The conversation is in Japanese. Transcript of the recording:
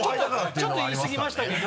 ちょっと言いすぎましたけど。